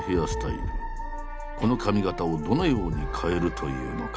この髪型をどのように変えるというのか。